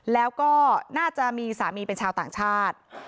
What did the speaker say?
แล้วก็น่าจะมีสามีเป็นชาวต่างชาติ